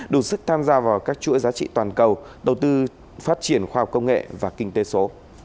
đủ sức tham gia vào các chuỗi giá trị toàn cầu đầu tư phát triển khoa học công nghệ và kinh tế số